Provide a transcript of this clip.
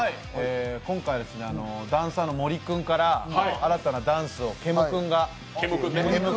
今回、ダンサーの森君から新たなダンスをケム君が。